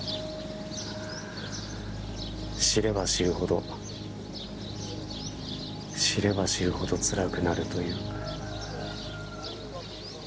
知れば知るほど知れば知るほどつらくなるというか。